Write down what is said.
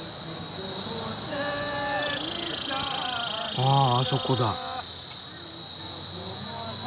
あああそこだ。